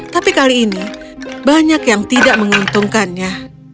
tapi kali ini banyak yang tidak menguntungkannya